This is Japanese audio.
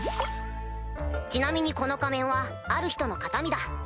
ちなみにこの仮面はある人の形見だ。